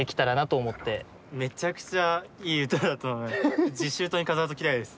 めちゃくちゃいい歌だと思います。